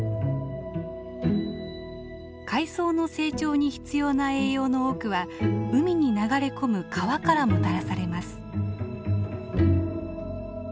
海藻の成長に必要な栄養の多くは海に流れ込む川からもたらされます。